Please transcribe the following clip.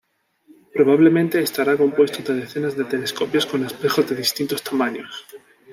Probablemente estará compuesto de decenas de telescopios con espejos de distintos tamaños.